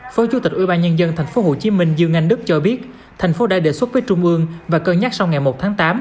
phó chủ tịch ubnd tp hcm dương anh đức cho biết thành phố đã đề xuất với trung ương và cân nhắc sau ngày một tháng tám